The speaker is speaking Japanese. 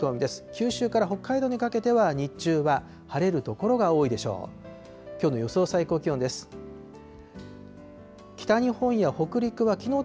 九州から北海道にかけては日中は晴れる所が多いでしょう。